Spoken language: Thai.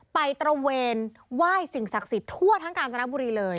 ตระเวนไหว้สิ่งศักดิ์สิทธิ์ทั่วทั้งกาญจนบุรีเลย